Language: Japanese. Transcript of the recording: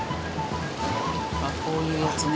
あっこういうやつね。